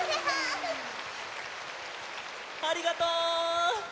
ありがとう！